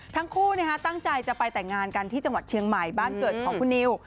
ทั้งคู่ตั้งใจจะไปแต่งงานกันที่จังหวัดเชียงใหม่บ้านเกิดของคุณนิว